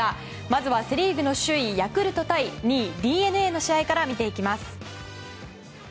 まずはセ・リーグの首位ヤクルト対２位ＤｅＮＡの試合から見ていきます。